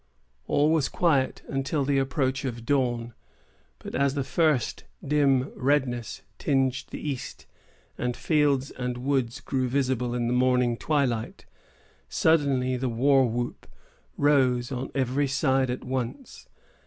All was quiet till the approach of dawn. But as the first dim redness tinged the east, and fields and woods grew visible in the morning twilight, suddenly the war whoop rose on every side at once.